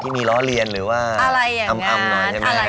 ที่มีล้อเลียนหรือว่าอำหน่อยใช่ไหม